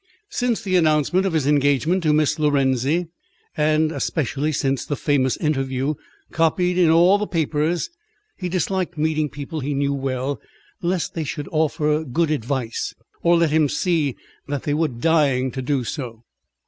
Since the announcement of his engagement to Miss Lorenzi, and especially since the famous interview, copied in all the papers, he disliked meeting people he knew well, lest they should offer good advice, or let him see that they were dying to do so.